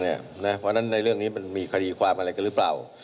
เพราะฉะนั้นในเรื่องนี้มันมีคดีความอะไรกันหรือเปล่า